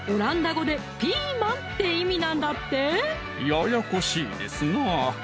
ややこしいですなぁ